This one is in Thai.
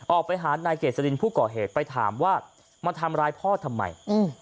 ออกไปหานายเกษลินผู้ก่อเหตุไปถามว่ามาทำร้ายพ่อทำไม